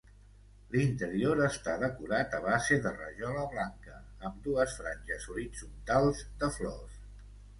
L'interior està decorat a base de rajola blanca, amb dues franges horitzontals de flors.